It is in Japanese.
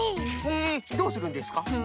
へえどうするんですか？